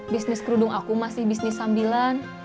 bisnis kerudung aku masih bisnis sambilan